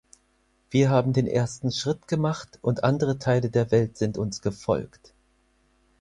Wir haben den ersten Schritt gemacht und andere Teile der Welt sind uns gefolgt.